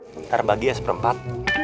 nanti baginya seperempat